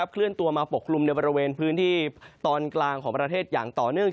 ขึ้นตัวมาปกครุมในบริเวณพื้นที่ตอนกลางประเภทอย่างต่อเนื่อง